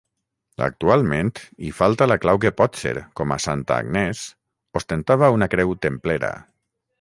Actualment hi falta la clau que potser, com a Santa Agnès, ostentava una creu templera.